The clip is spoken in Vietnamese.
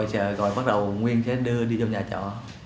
rồi bắt đầu nguyên sẽ đưa đi trong nhà trọ